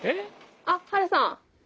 あっハルさん！